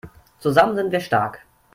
Zusammen sind wir stark!